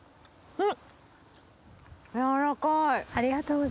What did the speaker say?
うん！